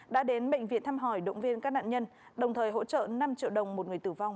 đã đến bệnh viện thăm hỏi động viên các nạn nhân đồng thời hỗ trợ năm triệu đồng một người tử vong